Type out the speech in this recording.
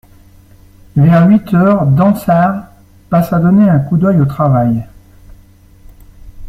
Vers huit heures, Dansaert passa donner un coup d'oeil au travail.